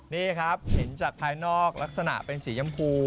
นี่ครับเห็นจากภายนอกลักษณะเป็นสียำพู